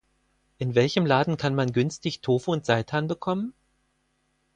In welchem Laden kann man günstig Tofu und Saitan bekommen?